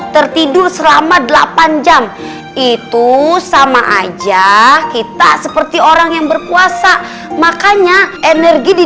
tertidur selama delapan jam itu sama aja kita seperti orang yang berpuasa makanya energi di